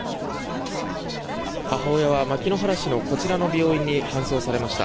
母親は牧之原市のこちらの病院に搬送されました。